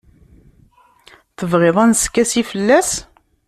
Tebɣiḍ ad neskasi fell-as?